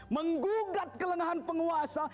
menggugat kelenahan penguasa